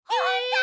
はい。